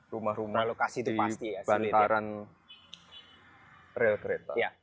rumah rumah di bantaran rail kereta